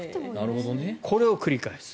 これを繰り返す。